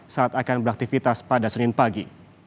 saat akan beraktivitas pada senin pagi